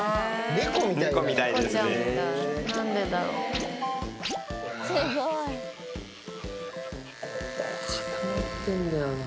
猫みたいですね。